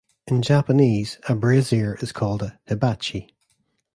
In Japanese, a brazier is called a "hibachi".